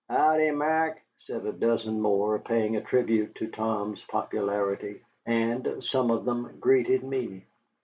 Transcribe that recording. "Howdy, Mac," said a dozen more, paying a tribute to Tom's popularity. And some of them greeted me.